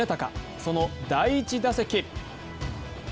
その第１打席。